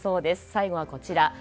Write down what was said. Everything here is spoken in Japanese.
最後はこちら。